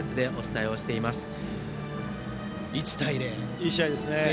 いい試合ですね。